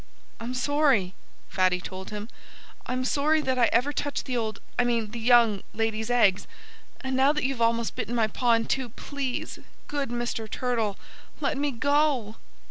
"I'm sorry " Fatty told him "I'm sorry that I ever touched the old I mean the young lady's eggs. And now that you've almost bitten my paw in two, please good Mr. Turtle let me go!"